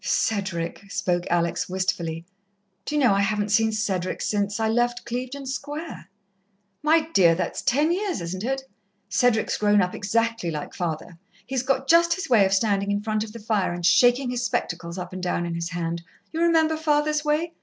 "Cedric!" spoke Alex wistfully. "Do you know, I haven't seen Cedric since I left Clevedon Square." "My dear, that's ten years, isn't it? Cedric's grown exactly like father. He's got just his way of standing in front of the fire and shaking his spectacles up and down in his hand you remember father's way?